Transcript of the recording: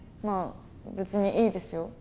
まあ別にいいですよ